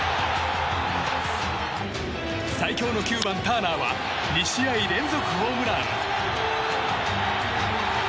最強の９番、ターナーは２試合連続ホームラン。